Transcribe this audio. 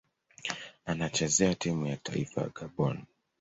Anachezea timu ya taifa ya Gabon.